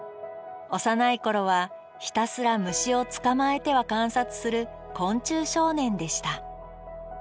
幼い頃はひたすら虫を捕まえては観察する昆虫少年でした。